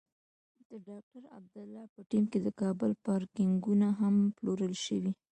د ډاکټر عبدالله په ټیم کې د کابل پارکېنګونه هم پلورل شوي.